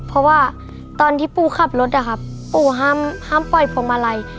เพราะว่าตอนที่ปูขับรถนะครับปูห้ามปล่อยพวงมาลัย